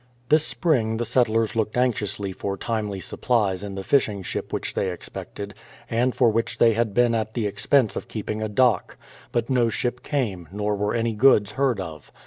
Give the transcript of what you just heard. This spring the settlers looked anxiously for timely sup plies in the fishing ship which they expected, and for which they had been at the expense of keeping a dock. But no ship cam2, nor were any goods heard of.